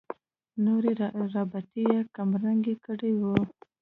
نورې رابطې یې کمرنګې کړې وي.